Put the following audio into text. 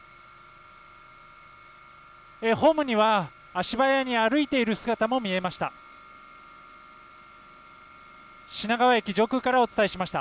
ホームには足早に歩いている姿も見えました。